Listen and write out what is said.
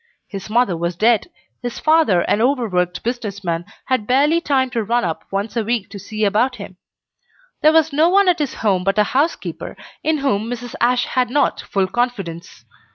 His mother was dead; his father, an overworked business man, had barely time to run up once a week to see about him; there was no one at his home but a housekeeper, in whom Mrs. Ashe had not full confidence.